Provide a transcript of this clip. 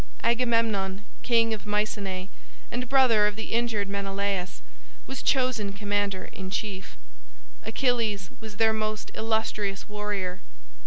Agamemnon, king of Mycenae, and brother of the injured Menelaus, was chosen commander in chief. Achilles was their most illustrious warrior.